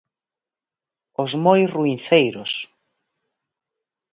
¡Os moi ruinceiros!